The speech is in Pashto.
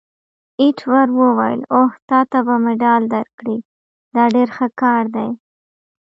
ایټور وویل: اوه، تا ته به مډال درکړي! دا ډېر ښه کار دی.